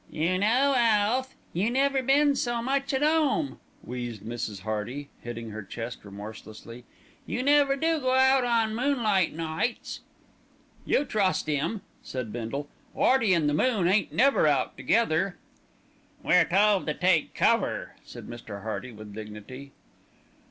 "You know, Alf, you never been so much at 'ome," wheezed Mrs. Hearty, hitting her chest remorselessly. "You never go out on moonlight nights." "You trust 'im," said Bindle. "'Earty an' the moon ain't never out together." "We are told to take cover," said Mr. Hearty with dignity.